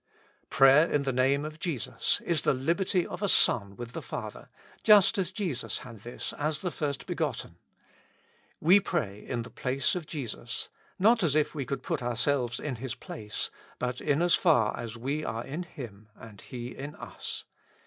Prayer in the Name of Jesus is the Hberty of a son with the Father, just as Jesus had this as the First begotten. We pray in the place of Jesus, not as if we could put ourselves in His place, but in as far as we are in Him and He in us.